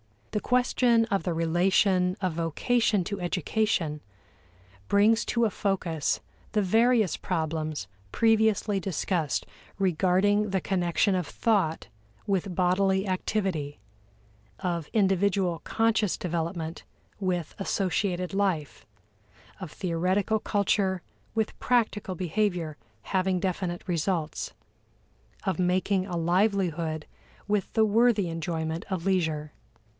The question of the relation of vocation to education brings to a focus the various problems previously discussed regarding the connection of thought with bodily activity; of individual conscious development with associated life; of theoretical culture with practical behavior having definite results; of making a livelihood with the worthy enjoyment of leisure.